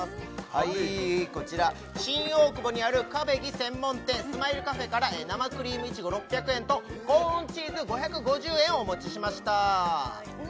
こちら新大久保にあるクァベギ専門店ＳＭＩＬＥＣＡＦＥから生クリームイチゴ６００円とコーンチーズ５５０円をお持ちしました